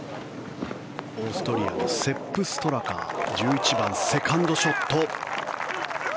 オーストリアのセップ・ストラカ１１番のセカンドショット。